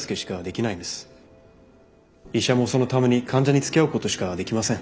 医者もそのために患者につきあうことしかできません。